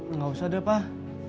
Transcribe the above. enggak usah deh pak